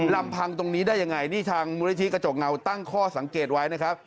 ลำพังตรงนี้ได้ยังไงนี่ทางมูลนิธิกระจกเงาตั้งข้อสังเกตไว้นะครับ